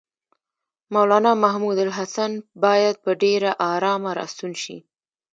مولنا محمودالحسن باید په ډېره آرامه راستون شي.